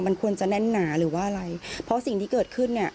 มันควรจะแน่นหนาหรือว่าอะไรเพราะสิ่งที่เกิดขึ้นเนี่ย